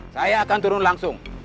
saya akan turun langsung